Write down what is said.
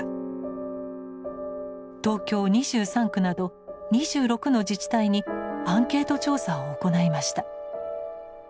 東京２３区など２６の自治体にアンケート調査を行いました。